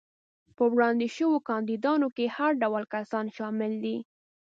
په وړاندې شوو کاندیدانو کې هر ډول کسان شامل دي.